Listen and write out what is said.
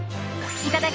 いただき！